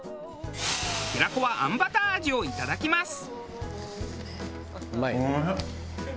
平子はあんバター味をいただきます。